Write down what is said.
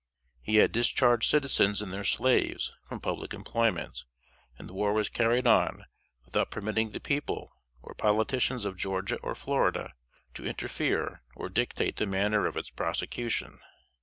He had discharged citizens and their slaves from public employment, and the war was carried on without permitting the people, or politicians of Georgia or Florida, to interfere or dictate the manner of its prosecution.